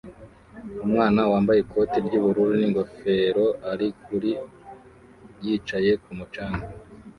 Umwana wambaye ikoti ry'ubururu n'ingofero ari kuri yicaye kumu canga